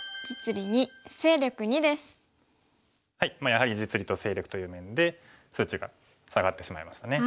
やはり実利と勢力という面で数値が下がってしまいましたね。